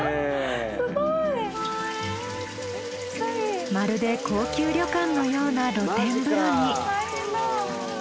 すごい。まるで高級旅館のような露天風呂に。